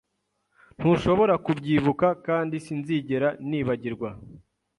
Ntushobora kubyibuka kandi sinzigera nibagirwa